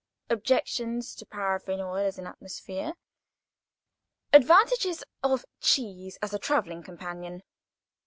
—Objections to paraffine oil as an atmosphere.—Advantages of cheese as a travelling companion.